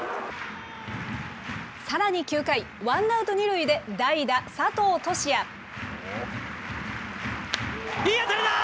さらに９回、ワンアウト２塁で代打、いい当たりだ！